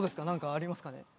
何かありますかね